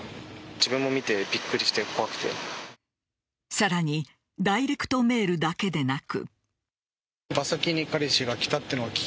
さらにダイレクトメールだけでなく。